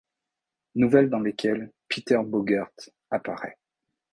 Nouvelles dans lesquelles Peter Bogert apparaît.